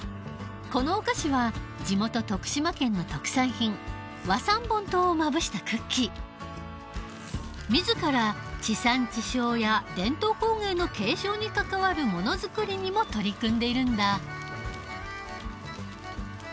このお菓子は地元徳島県の特産品自ら地産地消や伝統工芸の継承に関わるものづくりにも取り組んでいるんだ。